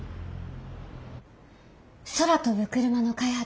空飛ぶクルマの開発